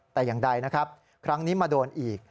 แต่อย่างใดนะครับครั้งนี้มาโดนอีก